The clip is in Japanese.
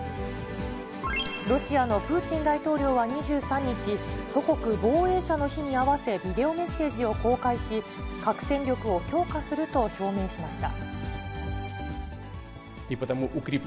ロシアのプーチン大統領は２３日、祖国防衛者の日に合わせ、ビデオメッセージを公開し、核戦力を強化すると表明しました。